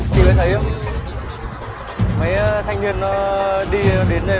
thì mới thấy mấy thanh niên nó đi đến đây rồi